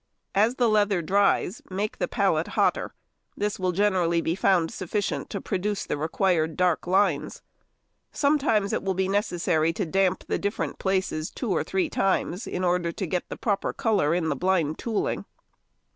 As the leather dries, make the pallet hotter; this will generally be found sufficient to produce the required dark lines. Sometimes it will be necessary to damp the different places two or three times in order to get the proper colour in the blind tooling.